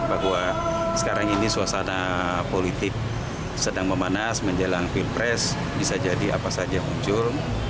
bahwa sekarang ini suasana politik sedang memanas menjelang pilpres bisa jadi apa saja muncul